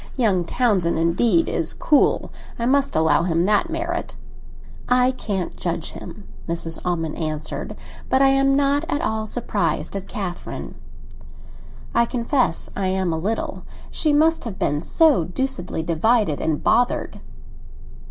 Young Townsend indeed is cool; I must allow him that merit." "I can't judge him," Mrs. Almond answered; "but I am not at all surprised at Catherine." "I confess I am a little; she must have been so deucedly divided and bothered."